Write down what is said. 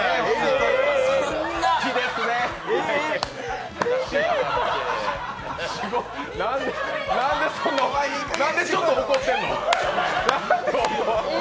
なんで、ちょっと怒ってんの？